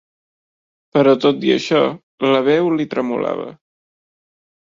Però tot i això, la veu li tremolava.